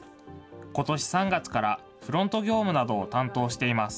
ことし３月からフロント業務などを担当しています。